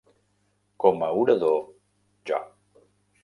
Com a orador, jo.